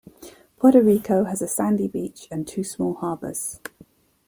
Puerto Rico has a sandy beach and two small harbours.